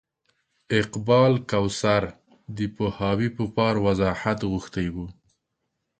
اقبال کوثر د پوهاوي په پار وضاحت غوښتی و.